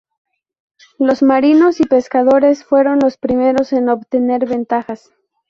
Los marinos y pescadores fueron los primeros en obtener ventajas.